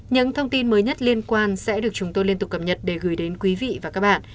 những thông tin mới nhất liên quan sẽ được chúng tôi liên tục cập nhật để gửi đến quý vị và các bạn